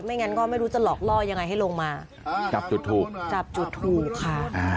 งั้นก็ไม่รู้จะหลอกล่อยังไงให้ลงมาจับจุดถูกจับจุดถูกค่ะ